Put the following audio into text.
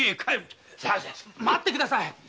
待ってください。